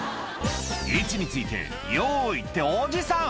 ⁉「位置についてよい」っておじさん！